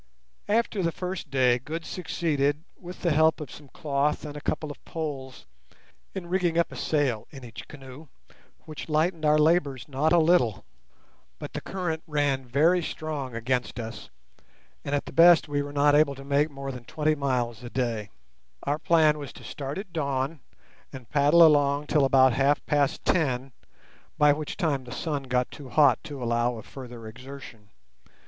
After the first day Good succeeded, with the help of some cloth and a couple of poles, in rigging up a sail in each canoe, which lightened our labours not a little. But the current ran very strong against us, and at the best we were not able to make more than twenty miles a day. Our plan was to start at dawn, and paddle along till about half past ten, by which time the sun got too hot to allow of further exertion.